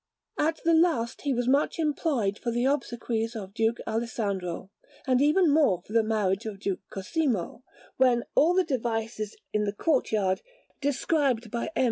At the last he was much employed for the obsequies of Duke Alessandro, and even more for the marriage of Duke Cosimo, when all the devices in the courtyard, described by M.